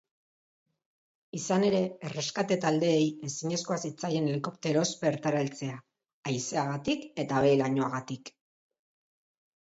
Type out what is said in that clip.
Izan ere, erreskate-taldeei ezinezkoa zitzaien helikopteroz bertara heltzea haizeagatik eta behe-lainoagatik.